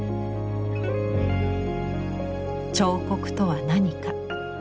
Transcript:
「彫刻とは何か？」